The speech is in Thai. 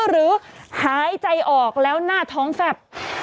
หรือหายใจออกแล้วหน้าท้องแฟบ